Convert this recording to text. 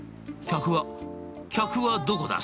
客は客はどこだ？」。